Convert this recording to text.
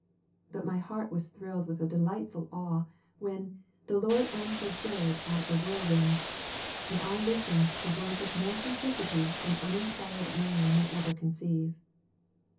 But my heart has thrilled with a delightful awe when "the Lord answered Job out of the whirlwind," and I listened to words of more simplicity than uninspired man may ever conceive.